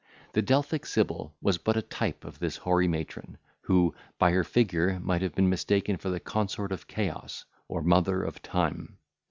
The Delphic sibyl was but a type of this hoary matron, who, by her figure, might have been mistaken for the consort of Chaos, or mother of Time.